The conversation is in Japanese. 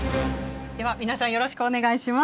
では皆さんよろしくお願いします。